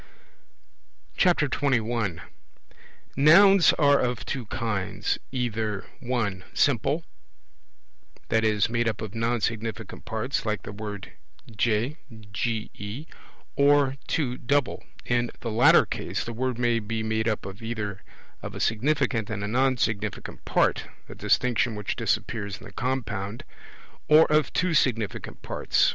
21 Nouns are of two kinds, either (1) simple, i.e. made up of non significant parts, like the word ge, or (2) double; in the latter case the word may be made up either of a significant and a non significant part (a distinction which disappears in the compound), or of two significant parts.